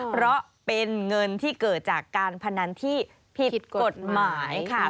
เพราะเป็นเงินที่เกิดจากการพนันที่ผิดกฎหมายค่ะ